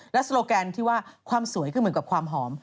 และโซโลแกนที่ว่าความสวยคือเหมือนกับความหอม